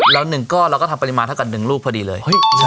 แล้ว๑ก้อนเราก็ทำปริมาณเท่ากัน๑ลูกพอดีเลย